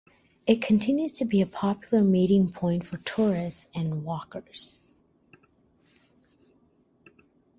It continues to be a popular meeting point for tourists and walkers.